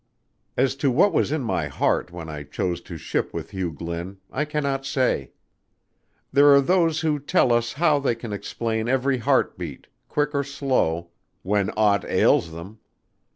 As to what was in my heart when I chose to ship with Hugh Glynn, I cannot say. There are those who tell us how they can explain every heart beat, quick or slow, when aught ails them.